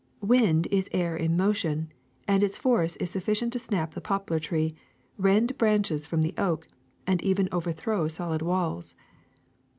Wind is air in motion, and its force is suffi cient to snap the poplar tree, rend branches from the oak, and even overthrow solid walls.